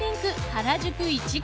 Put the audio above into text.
原宿いちご